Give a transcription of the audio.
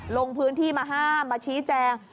ลงพื้นที่มาห้ามมาชี้แจง